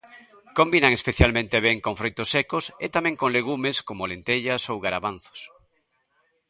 Combinan especialmente ben con froitos secos e tamén con legumes como lentellas ou garavanzos.